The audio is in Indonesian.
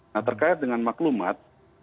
nah terkait dengan maklumat